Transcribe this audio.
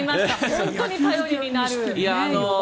本当に頼りになる選手で。